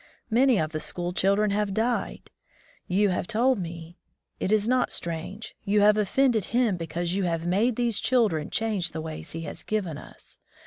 Many of the school children have died, you 24 My First School Days have told me. It is not strange. You have oflFended Him, because you have made these children change the ways he has given us.